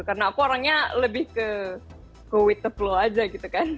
karena aku orangnya lebih ke go with the flow aja gitu kan